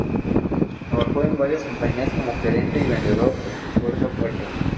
Trabajó en varias compañías como gerente y vendedor puerta a puerta.